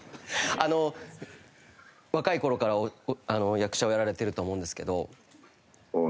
あの若い頃から役者をやられてると思うんですけど。